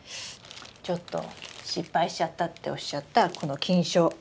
ちょっと失敗しちゃったっておっしゃったこの菌床。